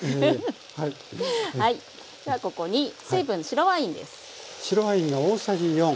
じゃここに水分白ワインです。